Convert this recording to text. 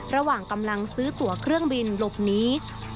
ระหว่างกำลังซื้อตัวเครื่องบินหลบหนี